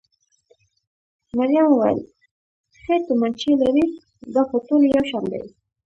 مريم وویل: ښې تومانچې لرئ؟ دا خو ټولې یو شان دي.